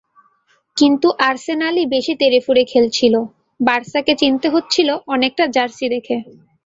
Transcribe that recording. কিন্তু আর্সেনালই বেশি তেড়েফুঁড়ে খেলছিল, বার্সাকে চিনতে হচ্ছিল অনেকটা জার্সি দেখে।